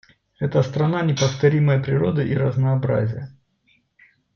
Это страна неповторимой природы и разнообразия.